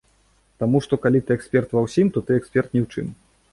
Таму што калі ты эксперт ва ўсім, то ты эксперт ні ў чым.